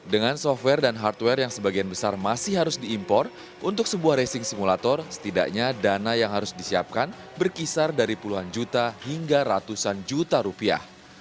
dengan software dan hardware yang sebagian besar masih harus diimpor untuk sebuah racing simulator setidaknya dana yang harus disiapkan berkisar dari puluhan juta hingga ratusan juta rupiah